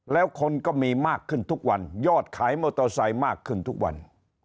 แล้วคนก็มีมากขึ้นทุกวันยอดขายมอเตอร์ไซค์มากขึ้นทุกวัน